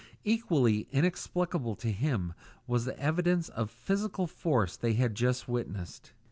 Equally inexplicable to him was the evidence of physical force they had just witnessed.